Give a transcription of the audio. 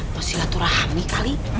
masih laturahami kali